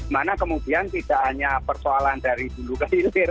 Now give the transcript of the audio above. mana kemudian tidak hanya persoalan dari hulu ke hilir